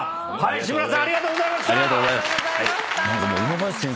志村さんありがとうございました。